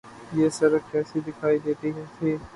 یہ سڑک کیسی دکھائی دیتی تھی۔